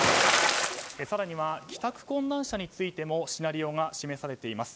更には、帰宅困難者についてもシナリオが示されています。